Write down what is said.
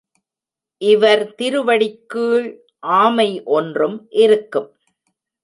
இவர் திருவடிக் கீழ் ஆமை ஒன்றும் இருக்கும்.